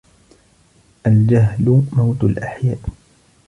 الجهل موت الأحياء